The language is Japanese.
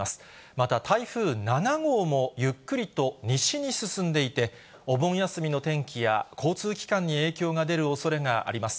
また台風７号も、ゆっくりと西に進んでいて、お盆休みの天気や、交通機関に影響が出るおそれがあります。